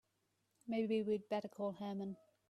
Maybe we'd better call Herman.